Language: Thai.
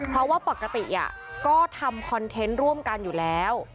เพราะว่าปกติก็ทำคอนเทนต์ร่วมกันอยู่แล้ว